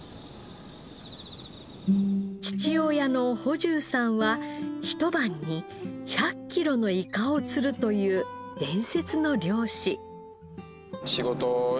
父親の保重さんは一晩に１００キロのイカを釣るという伝説の漁師。